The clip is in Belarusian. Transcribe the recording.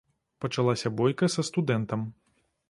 Пачалася бойка са студэнтам.